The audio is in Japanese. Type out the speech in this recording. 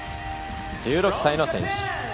１６歳の選手。